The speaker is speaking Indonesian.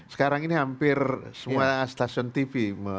sekarang ini hampir semua stasiun tv